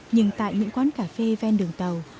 nhưng tại những quán cà phê ven đường tàu